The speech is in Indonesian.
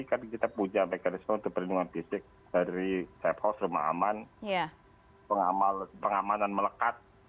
kan kita punya mekanisme untuk perlindungan fisik dari safe house rumah aman pengamanan melekat